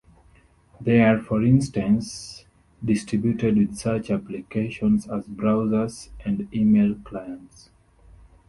They are for instance, distributed with such applications as browsers and email clients.